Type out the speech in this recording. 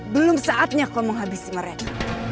belum saatnya kau menghabisi mereka